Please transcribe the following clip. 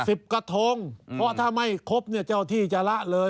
กระทงเพราะถ้าไม่ครบเนี่ยเจ้าที่จะละเลย